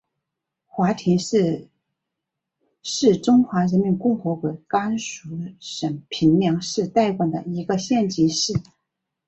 华亭市是中华人民共和国甘肃省平凉市代管的一个县级市。